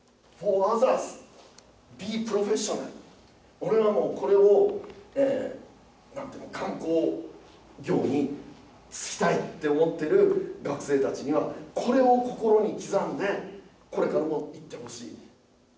俺はもうこれを観光業に就きたいって思っている学生たちにはこれを心に刻んでこれからもいってほしい。